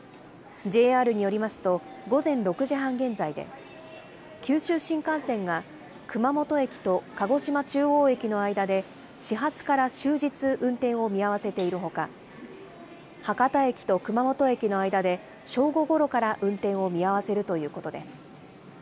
ＪＲによりますと、午前６時半現在で、九州新幹線が、熊本駅と鹿児島中央駅の間で始発から終日、運転を見合わせているほか、博多駅と熊本駅の間で正午ごろから運転を見合わせるということです。